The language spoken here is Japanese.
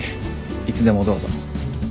いつでもどうぞ。